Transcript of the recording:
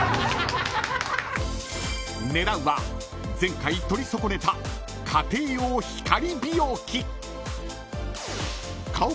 ［狙うは前回取り損ねた家庭用光美容器］